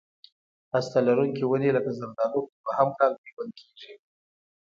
هسته لرونکي ونې لکه زردالو په دوه یم کال پیوند کېږي.